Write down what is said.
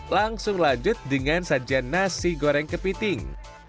langsung lanjut dengan sajian nasi goreng kepiting